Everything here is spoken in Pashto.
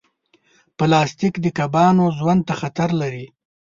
پلاستيک د کبانو ژوند ته خطر لري.